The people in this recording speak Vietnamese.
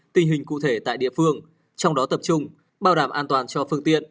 tình hình cụ thể tại địa phương trong đó tập trung bảo đảm an toàn cho phương tiện